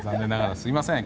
すみません。